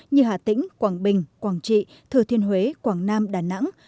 như hà tĩnh quảng bình quảng trị thừa thiên huế quảng nam đà nẵng